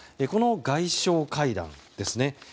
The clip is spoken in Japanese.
この外相会談です。